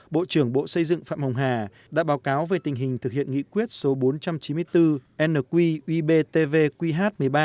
bộ trưởng bộ xây dựng phạm hồng hà đã báo cáo về tình hình thực hiện nghị quyết số bốn trăm chín mươi bốn nqbtv qh một mươi ba